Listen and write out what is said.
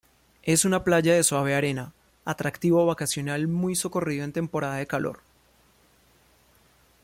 Es una playa de suave arena, atractivo vacacional muy socorrido en temporada de calor.